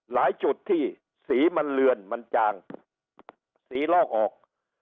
จุดที่สีมันเลือนมันจางสีลอกออก